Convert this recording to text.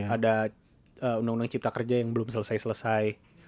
ada undang undang cipta kerja yang belum selesai selesai